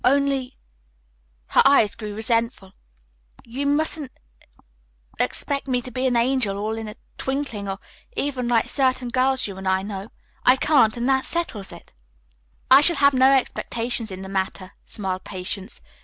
"Only," her eyes grew resentful, "you mustn't expect me to be an angel all in a twinkling, or even like certain girls you and I know. I can't, and that settles it." "I shall have no expectations in the matter," smiled Patience.